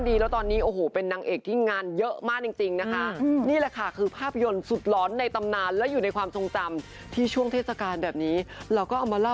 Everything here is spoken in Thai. พอหนังกระโดดขึ้นมาแล้วแห้ยใส่เรา